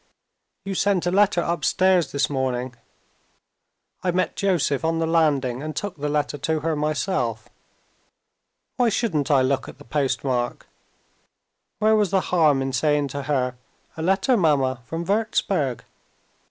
You sent a letter upstairs this morning. I met Joseph on the landing, and took the letter to her myself. Why shouldn't I look at the postmark? Where was the harm in saying to her, 'A letter, mamma, from Wurzburg'?